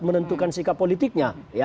menentukan sikap politiknya